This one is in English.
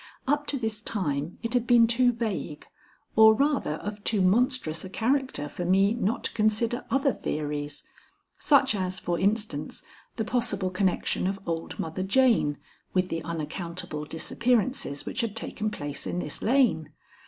Up to this time it had been too vague, or rather of too monstrous a character for me not to consider other theories, such as, for instance, the possible connection of old Mother Jane with the unaccountable disappearances which had taken place in this lane.